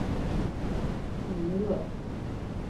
叙西厄。